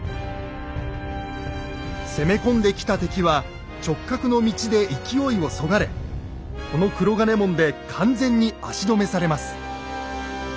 攻め込んできた敵は直角の道で勢いをそがれこの黒金門で完全に足止めされます。